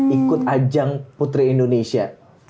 ikut ajang putri indonesia